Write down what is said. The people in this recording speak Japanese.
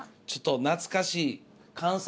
ちょっと懐かしい。